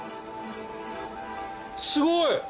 すごい！